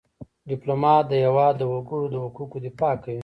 ډيپلومات د هېواد د وګړو د حقوقو دفاع کوي .